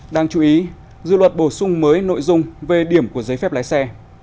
đáng chú ý dự luật bổ sung mới nội dung về điểm của giấy phép lái xe